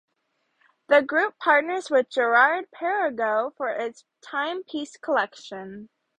The group partners with Girard-Perregaux for its timepiece collection.